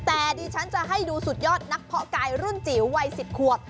แต่ดิฉันจะให้ดูสุดยอดนักเพาะกายรุ่นจิ๋ววัย๑๐ขวบ